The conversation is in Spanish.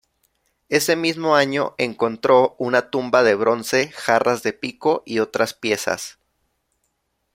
Ese mismo año encontró una tumba de bronce, jarras de pico y otras piezas.